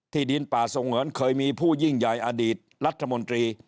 ดินป่าสงวนเคยมีผู้ยิ่งใหญ่อดีตรัฐมนตรี